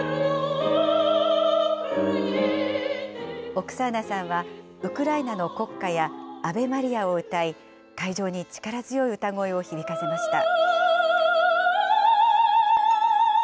オクサーナさんはウクライナの国歌やアヴェ・マリアを歌い、会場に力強い歌声を響かせました。